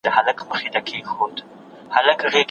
افغانستان د بهرنیو اتباعو د قانوني تګ راتګ مخه نه نیسي.